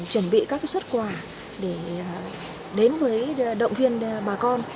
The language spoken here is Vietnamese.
chuẩn bị các xuất quà để đến với động viên bà con